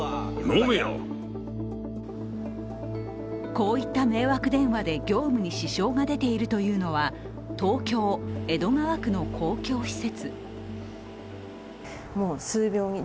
こういった迷惑電話で業務に支障が出ているというのは東京・江戸川区の公共施設。